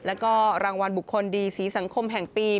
แล้วก็รางวัลบุคคลดีสีสังคมแห่งปี